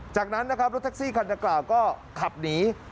จากนั้นนะครับรถแท็กซี่คันดังกล่าวก็ขับหนี